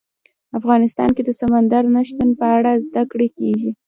افغانستان کې د سمندر نه شتون په اړه زده کړه کېږي.